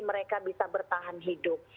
mereka bisa bertahan hidup